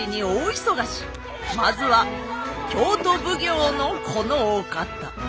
まずは京都奉行のこのお方。